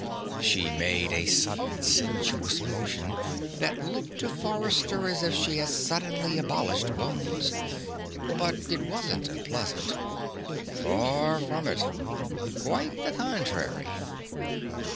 She made a sudden sensuous motion that looked to Forrester as if she had suddenly abolished bones. But it wasn't unpleasant. Far from it. Quite the contrary.